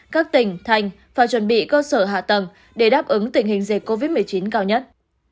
các tỉnh thành phải chuẩn bị cơ sở hạ tầng để đáp ứng tình hình dịch covid một mươi chín cao nhất